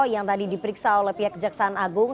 yang tadi diperiksa oleh pihak kejaksaan agung